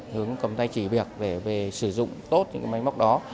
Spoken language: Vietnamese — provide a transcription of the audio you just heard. hướng cầm tay chỉ việc về sử dụng tốt những cái máy móc đó